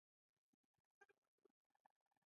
زه تاسو سره خبرې کوم.